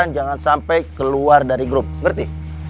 jangan sampai keluar dari grup berarti